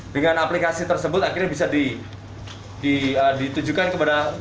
dengan aplikasi tersebut akhirnya bisa ditujukan kepada